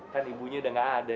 kan ibunya udah gak ada